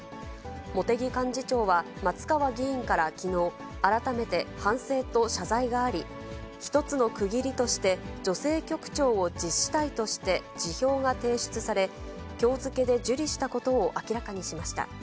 茂木幹事長は松川議員からきのう、改めて反省と謝罪があり、一つの区切りとして、女性局長を辞したいとして、辞表が提出され、きょう付けで受理したことを明らかにしました。